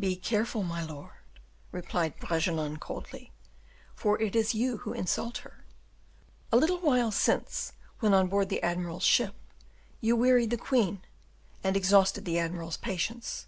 "Be careful, my lord," replied Bragelonne, coldly, "for it is you who insult her. A little while since, when on board the admiral's ship, you wearied the queen, and exhausted the admiral's patience.